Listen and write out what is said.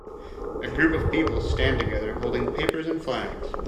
A group of people stand together holding papers and flags.